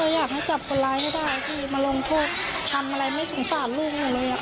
อยากให้จับคนร้ายให้ได้พี่มาลงโทษทำอะไรไม่สงสารลูกหนูเลยค่ะ